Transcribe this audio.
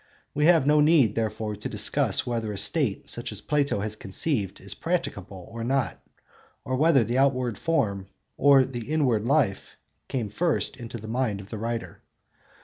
We have no need therefore to discuss whether a State such as Plato has conceived is practicable or not, or whether the outward form or the inward life came first into the mind of the writer.